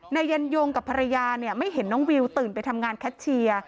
ยันยงกับภรรยาเนี่ยไม่เห็นน้องวิวตื่นไปทำงานแคชเชียร์